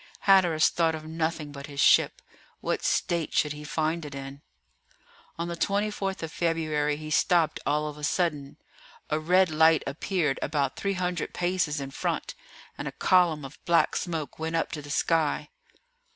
Hatteras thought of nothing but his ship. What state should he find it in? On the 24th of February he stopped all of a sudden. A red light appeared about 300 paces in front, and a column of black smoke went up to the sky.